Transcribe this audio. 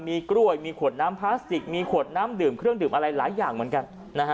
มีกล้วยมีขวดน้ำพลาสติกมีขวดน้ำดื่มเครื่องดื่มอะไรหลายอย่างเหมือนกัน